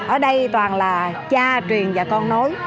ở đây toàn là cha truyền và con nối